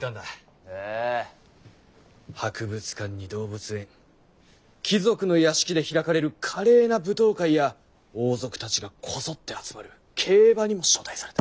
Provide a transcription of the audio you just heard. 博物館に動物園貴族の邸で開かれる華麗な舞踏会や王族たちがこぞって集まる競馬にも招待された。